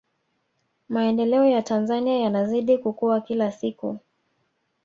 maendeleo ya tanzania yanazidi kukua kila siku